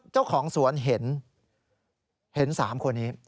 เจ้าของสวนเห็น๓คนนี้